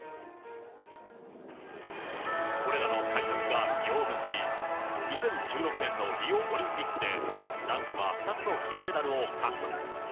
これらの改革が実を結び、２０１６年のリオオリンピックで、男子は２つの金メダルを獲得。